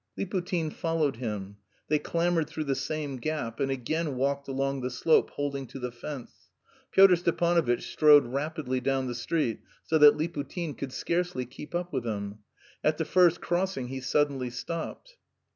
Liputin followed him. They clambered through the same gap and again walked along the slope holding to the fence. Pyotr Stepanovitch strode rapidly down the street so that Liputin could scarcely keep up with him. At the first crossing he suddenly stopped.